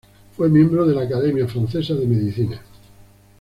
Fue miembro de la Academia Francesa de Medicina.